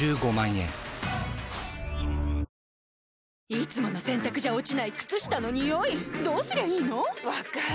いつもの洗たくじゃ落ちない靴下のニオイどうすりゃいいの⁉分かる。